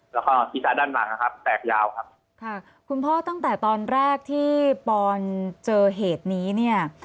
แล้วก็ศีรษะด้านหลังนะครับแตกยาวครับค่ะคุณพ่อตั้งแต่ตอนแรกที่ปอนเจอเหตุนี้เนี่ย